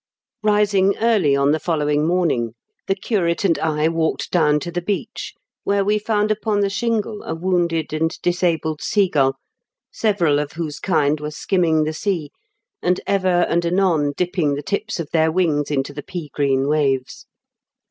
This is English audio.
Rising early on the following morning, the curate and I walked down to the beach, where we found upon the shingle a wounded and disabled sea gull, several of whose kind were skimming the sea, and ever and anon dipping the tips of their wings into the pea green waves.